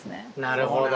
なるほど。